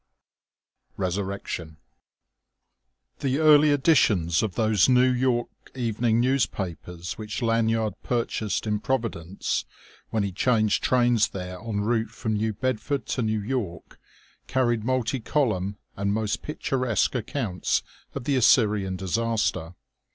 XII RESURRECTION The early editions of those New York evening newspapers which Lanyard purchased in Providence, when he changed trains there en route from New Bedford to New York, carried multi column and most picturesque accounts of the Assyrian disaster.